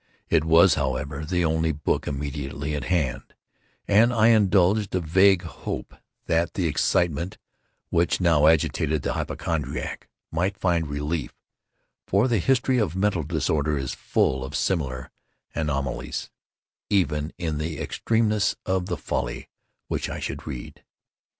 It was, however, the only book immediately at hand; and I indulged a vague hope that the excitement which now agitated the hypochondriac, might find relief (for the history of mental disorder is full of similar anomalies) even in the extremeness of the folly which I should read.